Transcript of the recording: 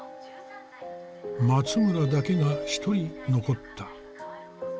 松村だけが一人残った。